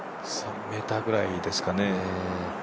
３ｍぐらいですかね。